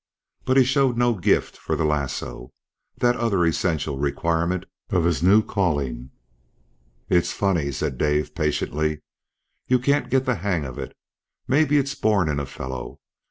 But he showed no gift for the lasso, that other essential requirement of his new calling. "It's funny," said Dave, patiently, "you can't get the hang of it. Maybe it's born in a fellow.